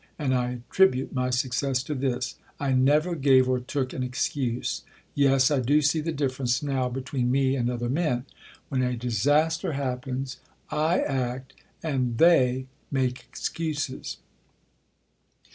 And I attribute my success to this: I never gave or took an excuse. Yes, I do see the difference now between me and other men. When a disaster happens, I act and they make excuses.